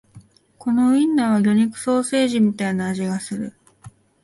このウインナーは魚肉ソーセージみたいな味がする